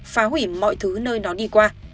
phá hủy mọi thứ nơi nó đi qua